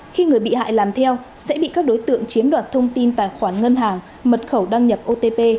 khi người bị hại làm theo sẽ bị các đối tượng chiếm đoạt thông tin tài khoản ngân hàng mật khẩu đăng nhập otp